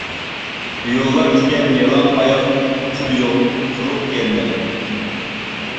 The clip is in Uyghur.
يوللار تىكەن يالاڭ ئاياق پۇل يۇق چورۇق كىيەلمەي.